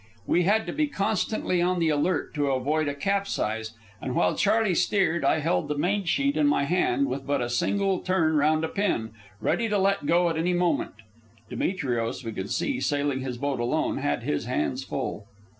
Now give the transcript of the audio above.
We had to be constantly on the alert to avoid a capsize, and while Charley steered I held the main sheet in my hand with but a single turn round a pin, ready to let go at any moment. Demetrios, we could see, sailing his boat alone, had his hands full.